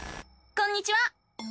こんにちは！